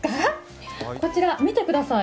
こちら見てください